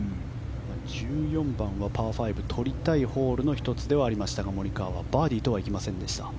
１４番、パー５とりたいホールの１つではありましたがモリカワはバーディーとはいきませんでした。